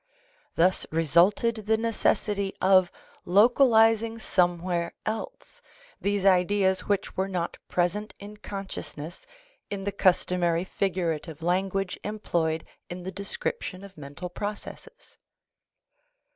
Thus resulted the necessity of localizing somewhere else these ideas which were not present in consciousness in the customary figurative language employed in the description of mental processes.